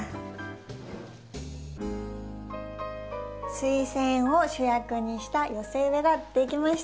スイセンを主役にした寄せ植えが出来ました！